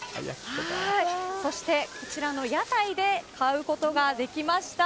そして、こちらの屋台で買うことができました。